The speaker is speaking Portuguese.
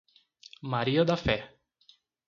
Maria da Fé